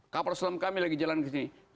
kapal selam kami lagi jalan kesini